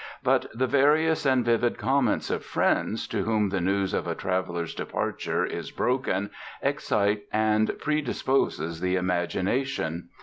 But the various and vivid comments of friends to whom the news of a traveller's departure is broken excite and predispose the imagination.